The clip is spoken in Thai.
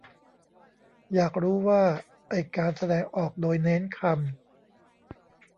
อยากรู้ว่าไอ้การแสดงออกโดยเน้นคำ